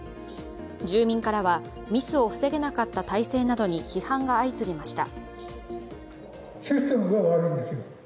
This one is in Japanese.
住民からはミスを防げなかった体制などに批判が相次ぎました。